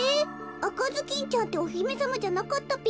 あかずきんちゃんっておひめさまじゃなかったぴよ。